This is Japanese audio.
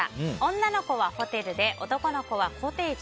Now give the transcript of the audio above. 女の子はホテルで男の子はコテージ。